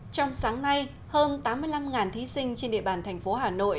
trong sáng nay hơn tám mươi năm thí sinh trên địa bàn tp hà nội